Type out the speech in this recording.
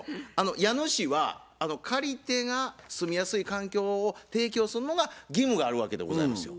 家主は借り手が住みやすい環境を提供すんのが義務があるわけでございますよ。